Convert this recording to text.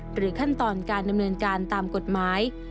ขั้นตอนการดำเนินการตามกฎหมาย